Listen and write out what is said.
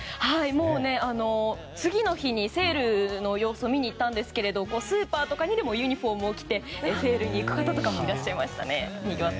もう次の日にセールの様子を見に行ったんですけどスーパーとかにもユニホームを着てセールに行く方もいらっしゃいました。